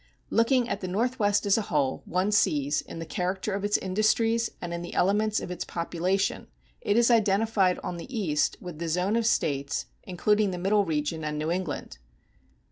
Looking at the Northwest as a whole, one sees, in the character of its industries and in the elements of its population, it is identified on the east with the zone of States including the middle region and New England.